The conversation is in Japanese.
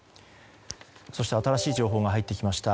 新しい情報が入ってきました。